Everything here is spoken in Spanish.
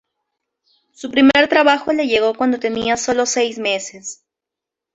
Su primer trabajo le llegó cuando tenía solo seis meses.